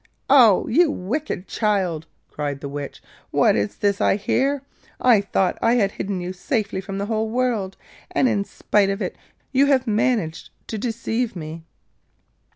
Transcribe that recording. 'Oh! you wicked child,' cried the Witch. 'What is this I hear? I thought I had hidden you safely from the whole world, and in spite of it you have managed to deceive me.